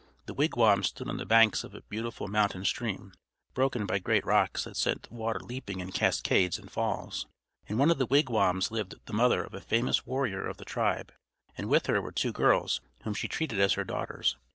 The wigwams stood on the banks of a beautiful mountain stream, broken by great rocks that sent the water leaping in cascades and falls. In one of the wigwams lived the mother of a famous warrior of the tribe, and with her were two girls whom she treated as her daughters.